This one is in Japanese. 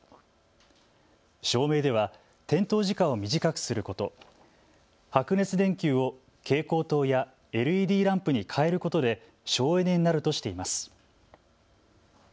照明では点灯時間を短くすること、白熱電球を蛍光灯やＬＥＤランプにかえることで省エネになるとしています。